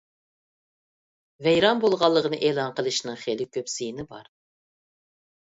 ۋەيران بولغانلىقىنى ئېلان قىلىشنىڭ خېلى كۆپ زىيىنى بار.